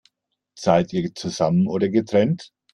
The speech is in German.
Zahlt ihr zusammen oder getrennt?